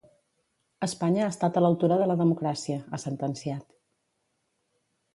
Espanya ha estat a l'altura de la democràcia, ha sentenciat.